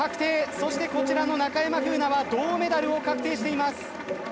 そしてこちらの中山楓奈は銅メダルを確定しています。